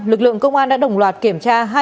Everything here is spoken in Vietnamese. lực lượng công an đã đồng loạt kiểm tra